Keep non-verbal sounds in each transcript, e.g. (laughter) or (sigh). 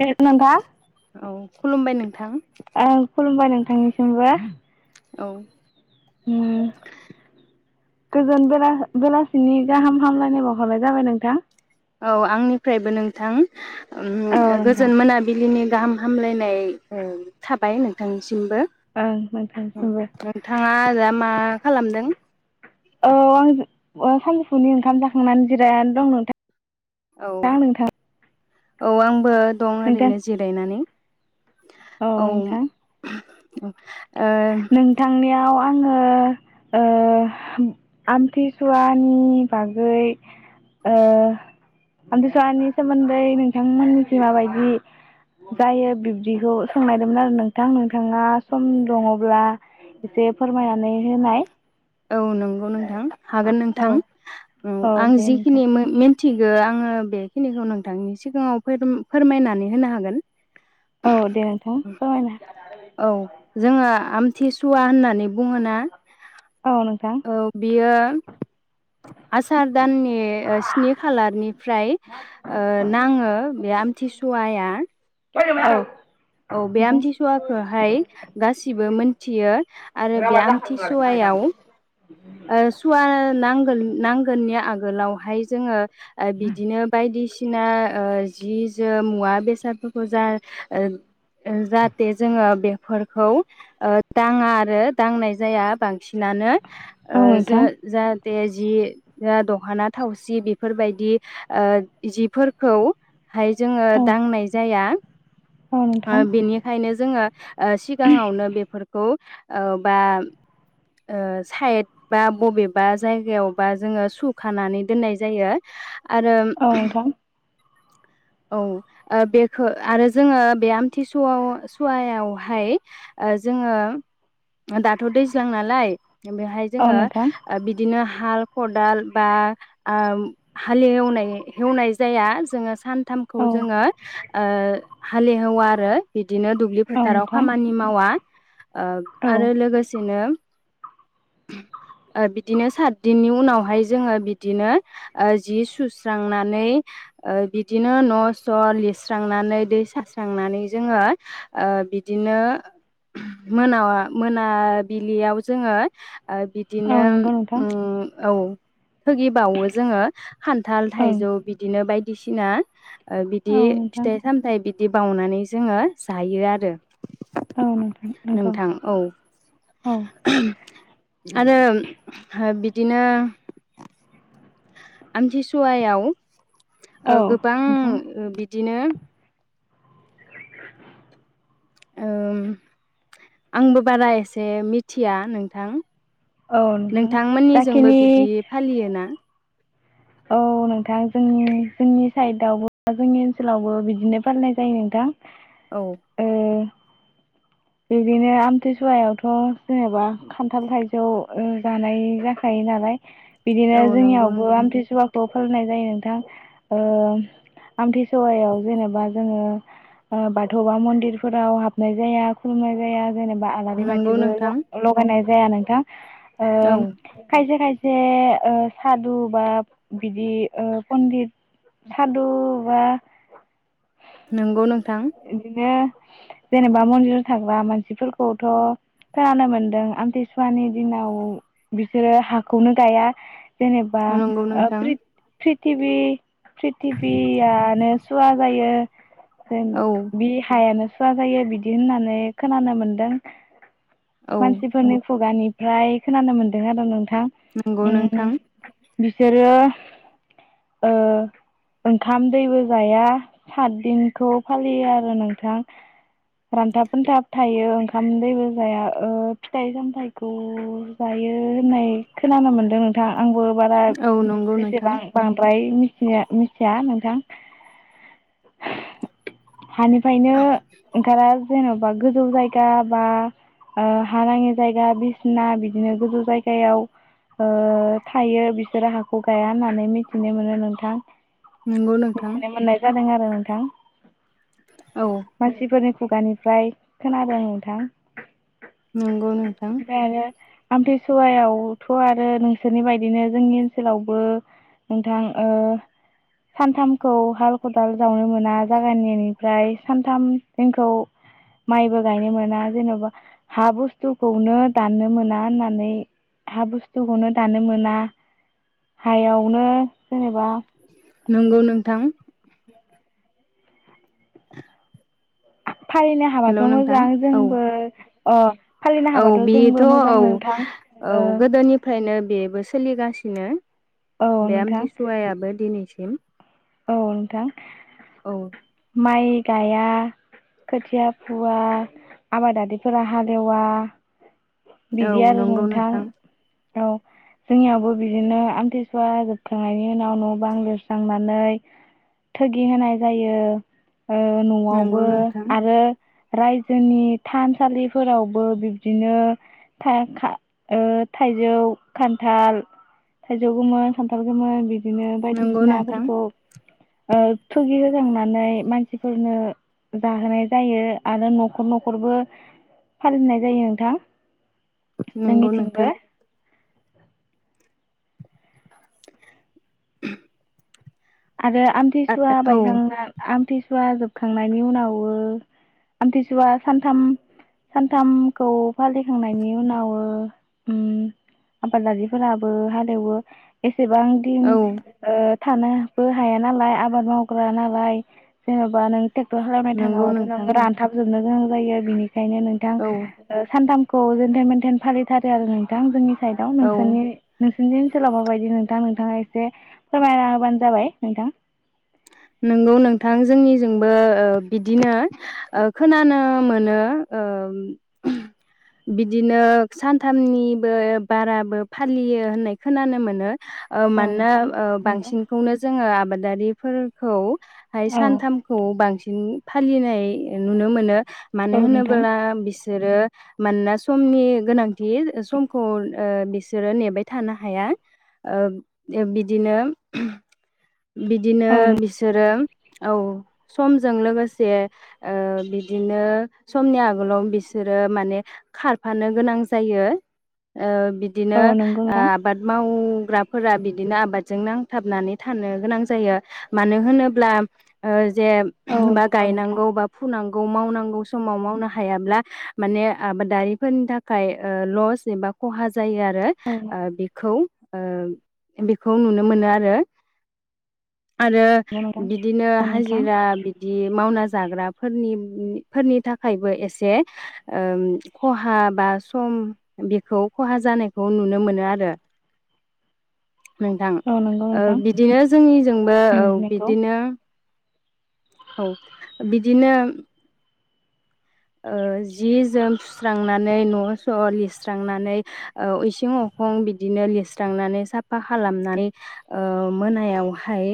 हेल' नोंथां औ खुलुमबाय नोंथां ओं खुलुमबाय नोंथांनिसिमबो औ उम गोजोन बेला-बेलासिनि गाहाम हामलायनाय बावहरनाय जाबाय नोंथां औ आंनिफ्रायबो नोंथां उम औ नोंथां गोजोन मोनाबिलिनि गाहाम हामलायनाय ओ थाबाय नोंथांनिसिम सिमबो ओं नोंथांसिमबो नोंथाङा दा मा खालामदों औ आं सानजौफुनि ओंखाम जाखांनानै जिरायनानै दं नोंथां औ दा नोंथां औ आंबो दं नोंथां ओरैनो जिरायनानै औ औ ओ औ आङो आमथिसुवानि बागै ओ आमथिसुवानि सोमोन्दै नोंथांमोननिसिम मा बायदि जायो बिब्दिखौ सोंनायदोंमोन आरो नोंथां नोंथाङा सम दङब्ला एसे फोरमायनानै होनाय औ नंगौ नोंथां हागोन औ नोंथां औ आं दे नोंथां जिखिनि मिथिगौ आङो बे खिनिखौ नोंथांनि सिगाङाव फोर फोरमायनानै होनो हागोन औ दे नोंथां फोरमायना हो औ जोङो आमथिसुवा होननानै बुङो ना औ नोंथां औ बियो आसार दाननि स्नि खालारनि ओमफ्राय ओ नाङो बे आमथिसुवाया औ नोंथां औ औ बे नोंथां आमथिसुवाखौहाय गासिबो मोनथियो आरो औ बे नोंथां आमथिसुवायाव ओ सुवा नांगोल नांगोननि आगोलावहाय जोङो ओ बिदिनो बायदिसि बायदिसिना जि जोम मुवा बेसादफोरखौ जा ओ ओ जाहाथे जोङो बे फोरखौ दाङा आरो दांनाय जाया बांसिनानो ओ औ नोंथां औ जोङो जा ते जि ओ दहना थावसि बेफोरबायदि ओ जिफोरखौ हाय जोङो दांनाय जाया नोंथां बेनिखायनो जोङो सिगाङावनो बेफोरखौ औ बा साइड बा बबेबा जायगायावबा जोङो सुखानानै दोननाय जायो आरो औ नोंथां औ बेखौ आरो जोङो बे आमथिसुवा सुवायावहाय जोङो दाथ दैज्लां नालाय बेहाय जोङो बिदिनो हाल खदाल बा ओ हालेनायवनाय सेवनाय जाया जोङो सान थामखौ जोङो ओ हालिहेवा आरो बि दिनो दुब्लि फोथाराव खामानि मावा ओ औ आरो लोगोसेनो बिदिनो सातदिननि उनावहाय जोङो बिदिनो जि सुस्रांनानै बि बिदिनो न स लिरस्रांनानै दै सास्रांनानै जोङो बिदिनो मोना मोनाबिलियाव जोङो औ बिदिनो नंगौ नोंथां उम औ बाववो जोङो खान्थाल ओं थाइजौ बिदिनो बायदि बायदिसिना बिदि औ नोंथां फिथाइ सामथाय बि बिदि बावनानै जोङो जायो आरो औ नोंथां नंगौ नोंथां औ औ आरो बिदिनो आमथि सुवायाव औ गोबां नोंथां बिदिनो ओ आंबो बारा एसे मिथिया नोंथां औ नोंथां नोंथांमोननिजोंबो जाखिनि बिदि फालियो ना औ नोंथां जोंनि जोंनि साइदावबो जोंनि ओनसोलावबो बिदिनो फालिनाय जायो नोंथां औ ओ बिदिनो आमथिसुवायावथ जेनेबा खान्थाल थाइजौ जानाय जाखायो नालाय बिदिनो औ नंगौ जोंनियावबो नोंथां आमथि खौ फालिनाय जायो नोंथां ओ आमथिसुवायाव जेनेबा जोङो बाथौ बा मन्दिरफोराव हाबनाय जाया खुलुमनाय जाया जेनेबा आलारि नंगौ बाथिबो नोंथां लगायनाय जाया नोंथां ओ औ खायसे खायस जे सादु बा बिदि पनदिथ सादु बा नोंगौ नों इदिनो जेनेबा मन्दिराव थाग्रा मानसिफोरखौथ' खोनानो मोनदों आमथिसुवानि दिनाव बिसोरो हाखौनो गाया जेनेबा नंगौ नोंथां टिभि प्रिथिबिआनो सुवा जायो औ (unintelligible) बि हायानो सुवा जायो बिदि होननानै खोनानो मोनदों औ मानसिफोरनि खुगानि ओमफ्राय खोनानो मोनदों आरो नोंथ नंगौ नोंथां बिसोरो ओ ओंखाम दैबो जाया सातदिनखौ फालियो आरो नोंथां रानथाब फोनथाब थायो ओंखाम दैबो जाया ओ फिथाइ सामथाइखौ जायो होननाय खोनानो मोनदों नोंथां आंबो बारा औ नंगौ नोंथां बेसेबां बांद्राय मिथि मिथिया नोंथां हानिफ्रायनो ओंखारा जेन'बा गोजौ जायगा बा ओ हा नाङि जायगा बिसिना बिदिनो गोजौ जायगायाव ओ थायो बिसोरो हाखौ गाया होननानै मिथिनो मोनो नोंथां नंगौ नोंथां मिथिनो मोननाय जादों आरो थां औ मानसिफोरनि खुगानिफ्राय खोनादों नोंथां नंगौ नोंथां ओमफ्राय आरो आमथिसुवायावथ' आरो नोंसोरनि बायदिनो जोंनि ओनसोलावबो नोंथां ओ सानथामखौ हाल खदाल जावनो मोना जाग जागायजेननायनिफ्राय सानथाम जोंखौ माइबो गायनो मोना जेन'बा हा बुस्थुखौनो दाननो मोना होननानै हा बुस्थुखौनो दाननो मोना हायावनो जेनेबा नंगौ नोंथां (inaudible) फालिनो हाबाथ' हेलौ नोंथां मोजां औ जोंबो अ फालिनो औ हाबाथ' बेथ' जोंबो औ मोजां नोंथां औ ओ गोदोनिफ्रायनो बेबो सोलिगासिनो औ बे नोंथां आमथि सुआयाबो दिनै सिम औ नोंथां माइ गाया खोथिया फुवा आबादारिफोरा हालेवा औ बिदि आरो नंगौ नोंथां औ जोंनियावबो बिदिनो आमथिसुवा जोबखांनायनि उनाव न' बां लिरस्रांनानै थोगि होनाय जायो ओ नंगौ न'आवबो नोंथां आरो रायजोनि थानसालिफोरावबो बिबदिनो था खा ओ थाइजौ खानथाल थाइजौ गोमोन खानथाल गोमोन बि दिनो नंगौ नोंथां बायदिसिनाफोरखौ ओ थुगि होजांनानै मानसिफोरनो जाहोनाय जायो आरो न'खर न'खरबो फालिनाय जायो नोंथां नंगौ नोंथां जोंनिथिंबो (inaudible) आरो आमथिसुवा औ बायखांना आमथि सुवा जोबखांनायनि उनावबो आमथिसुवा सानथाम सानथामखौ फालिखांनायनि उनाव ओ उम आबादारिफोराबो हालेवो एसेबां दिन औ ओ थानो बो हाया नालाय आबाद मावग्रा नालाय जेन'बा नों ट्रेक्टर खालामनाय नंगौ थाङाबाथ' नों नोंथां रानथाबजोबनो मोजां जायो बिनि बेखायनो नोंथां औ ओ सानथाम खौ जेनथेन मेनथेन फालिथारो आरो नोंथां जोंनि साइदाव औ नोंसोरनि नोंसोरनि ओनसोलाव माबायदि नोंथां नोंथांङा एसे फोरमायना होबानो जाबाय नोंथां नंगौ नोंथां जोंनिजोंबो ओ बिदिनो ओ खोनानो मोनो ओ बिदिनो सानथामनिबो बाराबो फालियो होननाय खोनानो मोनो ओ औ मानोना नोंथां ओ नंगौ बांसिनखौनो जोङो आबाद दारिफोर खौ हाय औ सानथामखौ बांसिन फालिनाय नुनो मोनो मानो औ नोंथां होनोब्ला बि बिसोरो मानोना समनि गोनांथि समखौ ओ बिसोरो नेबाय थानो हाया ओ बिदिनो बिदिनो औ बिसो बिसोरो औ समजों लोगोसे ओ बिदिनो समनि आगोलाव बिसोरो माने खारफानो गोनां जायो बिदिनो औ नंगौ ओ नोंथां आबाद माव मावग्राफोरा बिदिनो आबादजों नांथाबनानै थानो गोनां जायो मानो होनोब्ला ओ जे औ बा नंगौ नोंथां गायनांगौ बा फुनांगौ मावनांगौ समाव मावनो हायाब्ला माने आबादारिफोरनि थाखाय ओ लस एबा खहा ज जायो आरो औ ओ नंगौ बेखौ ओ बेखौ नुनो मोनो आरो आरो नोंथां बिदिनो औ नोंथां हाजिरा बिदि मावना जाग्राफोरनि थाखायबो एसे ओ खहा बा सम बे खहा जानायखौ नुनो मोनो आरो नोंथां औ नंगौ ओ नोंथां बिदिनो जोंनि आंबो उम औ नंगौ बिदिनो औ बिदिनो ओ जि जोम सुस्रांनानै न' स' लिरस्रांनानै औ इसिं अखं बिदिनो लिरस्रांनानै साफा खालामनानै ओ मोनायावहाय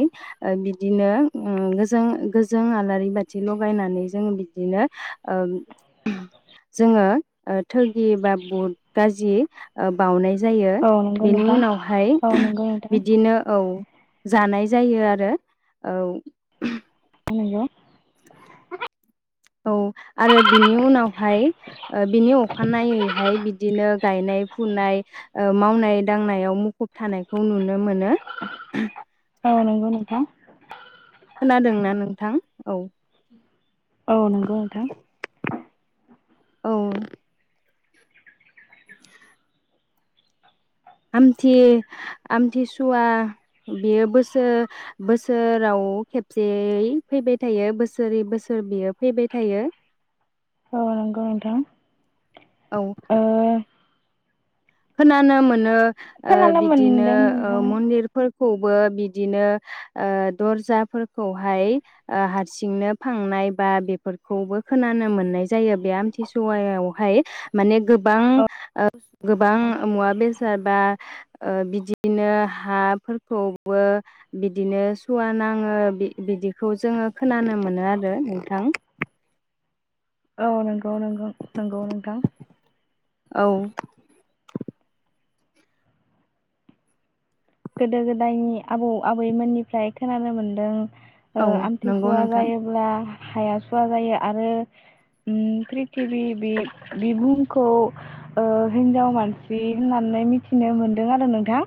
बिदिनो उम गोजों गोजों आलारि बाथि लगायनानै जों बिदिनो ओ जोङो ओ थोगि बा बुहुद गाजि बाउनाय जायो जायो औ नंगौ बेनि नोंथां उनावहाय औ नंगौ नोंथां बिदिनो औ जानाय जायो आरो औ नंगौ औ आरो बिनि उनावहाय ओ बिनि अखानायैहाय बिदिनो गायनाय फुनाय ओ मावनाय दांनायाव मुखुब थानायखौ नु मोनो औ नंगौ नोंथां खोनादोंना नोंथां औ औ नंगौ नोंथां औ आमथि आमथिसुवा बियो बोसोर बोसोराव खेबसेयै फैबाय थायो बोसोरै बोसोर बियो फैबाय थायो औ नंगौ नोंथां औ ओ खोनानो मोनो ओ खोनानो बिदिनो मोनदों नोंथां मन्दिरफोर खौबो बिदिनो ओ दरजाफोरखौहाय ओ हारसिंनो फांनाय बा बेफोरखौबो खोनानो मोन नाय जायो बे आमथिसुवायावहाय माने गोबां ओ गोबां मुवा बेसाद बा बिदिनो हाफोरखौबो बिदिनो सुवा नाङो बिदिखौ जोङो खोनानो मोनो आरो नोंथां औ नंगौ नंगौ नांगौ नोंथां औ गोदो गोदायनि आबौ आबैमोननिफ्राय खोनानो मोनदों औ नंगौ आमथिसुवा नोंथां जायोब्ला हाया सुवा जायो आरो प्रिथिबि बि बि बुहुमखौ हिन्जाव मानसि होननानै मिथिनो मोनदों आरो नोंथां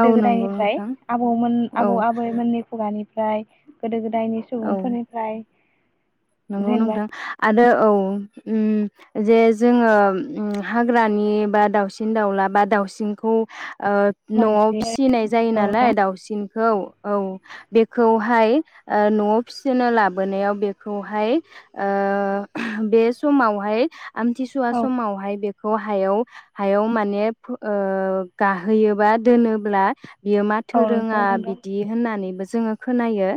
औ नंगौ गोदायनिफ्राय नोंथां आबौमोन औ आबौ आबैमोननि खुगानिफ्राय ओमफ्राय गोदो गोदाय दायनि औ सुबुंफोरनिफ्राय नंगौ जेनेबा नोंथां आरो औ उम जे जोङो हाग्रानि बा दाउसिन दाउला बा दाउसिनखौ ओ न'आव मानसि फिसिनाय जायो औ नालाय दाउसिन औ औ बेखौहाय न'आव फिसिनो लाबोनायाव बे खौहाय बे समावहाय आमथिसुवा नोंथां समावहाय बे खौ हायाव हायाव माने गाहोयोबा दोनोब्ला बियो औ नंगौ माथोरोङा नोंथां बिदि होननानैबो जोङो खोनायो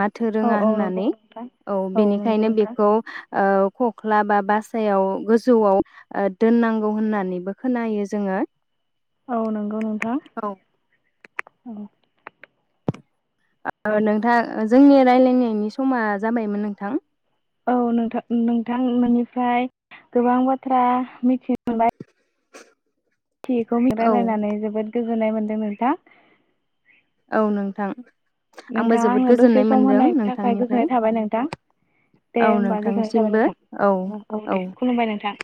माथो औ रोङा औ नंगौ होननानै नोंथां औ नंगौ बेनिखायनो नोंथां बेखौ ओ खख्ला बा बासायाव गोजौआव दोननांगौ होननानैबो खोनायो जोङो औ नंगौ नोंथां औ ओ नोंथां जोंनि राय्लायनायनि समा जाबायमोन नोंथां औ नोंथां नोंथां नोनिफ्राय गोबां बाथ्रा मिथिनो मोनबाय थिखौ मगालायनानै जोबोद गोजोननाय मोन्दों नोंथां औ नोंथां आंबो नोंथाङा जोबोद आङो दसे गोजोननाय सम मोनदों होनायनि थाखाय नोंथांनिफ्राय गोजोननाय थाबाय नोंथां दे औ हबा गोजोननाय थाबाय नोंथांसिमबो नोंथां औ औ दे खुलुमबाय नोंथां